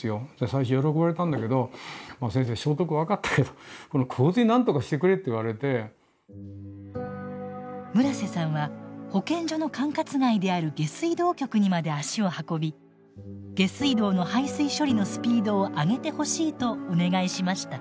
最初喜ばれたんだけど消毒分かったけど村瀬さんは保健所の管轄外である下水道局にまで足を運び下水道の排水処理のスピードを上げてほしいとお願いしました。